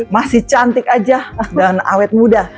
masih cantik aja dan awet muda